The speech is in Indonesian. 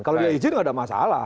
kalau dia izin nggak ada masalah